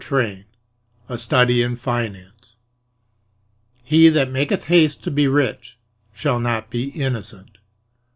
VI A Study in Finance "He that maketh haste to be rich shall not be innocent."